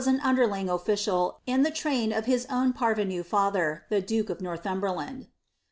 an underling olSciul in the tmin of hia own parvenu father, ll; duke of Norlhumberland.